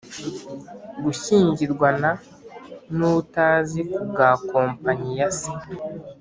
gushyingirwana n’uwo atazi kubwa company ya se